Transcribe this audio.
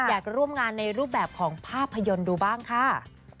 อยากร่วมงานในรูปแบบของภาพยนตร์ดูบ้างค่ะ